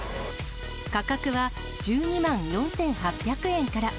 価格は１２万４８００円から。